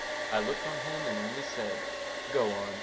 I looked on him, and only said, "Go on.